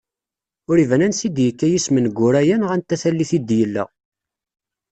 Ur iban ansi d-yekka yisem n Guraya neɣ anta tallit i d-yella.